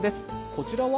こちらは？